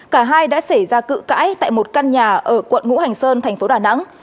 cả hai đã xảy ra cự cãi tại một căn nhà ở quận ngũ hành sơn tp đà nẵng